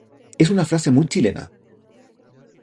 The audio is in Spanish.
Es una frase muy chilena.